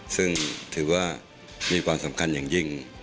ซึ่งถือว่ามีความสำคัญอย่างยิ่ง